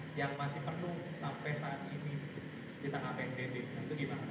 itu bagaimana pak